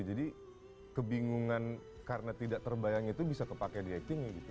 jadi kebingungan karena tidak terbayang itu bisa kepake di actingnya gitu